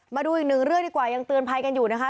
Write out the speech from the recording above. มาดูอีกหนึ่งเรื่องดีกว่ายังเตือนภัยกันอยู่นะคะ